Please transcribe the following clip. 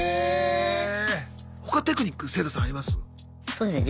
他テクニックセイタさんあります？